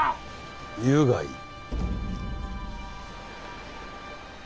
言うがいい。